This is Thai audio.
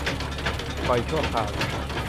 ปล่อยชั่วคราว